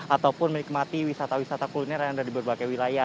ataupun menikmati wisata wisata kuliner yang ada di berbagai wilayah